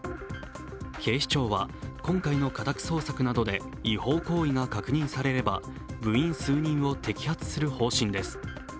警視庁は今回の家宅捜索などで違法行為が確認されれば部員数人を摘発する方針です。